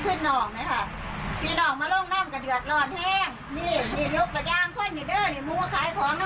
สื่อเลี้ยงมันเป็นสาวเพื่อกัน